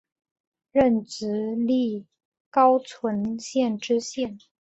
任直隶高淳县知县。